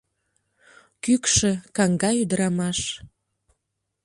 Кӱкшӧ, каҥга ӱдырамаш.